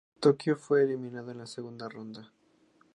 Tokio fue eliminada en la segunda ronda.